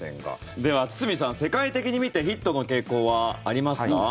では、堤さん、世界的に見てヒットの傾向はありますか？